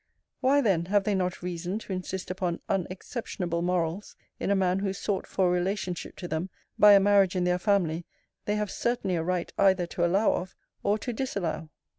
Why, then, have they not reason to insist upon unexceptionable morals in a man whose sought for relationship to them, by a marriage in their family, they have certainly a right either to allow of, or to disallow.